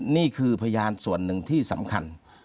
นี่คือพยานส่วนหนึ่งที่สำคัญ